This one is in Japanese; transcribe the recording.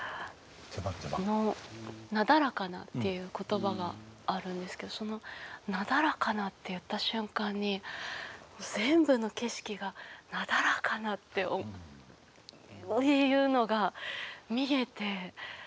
「なだらかな」っていう言葉があるんですけどその「なだらかな」って言った瞬間に全部の景色が「なだらかな」っていうのが見えて。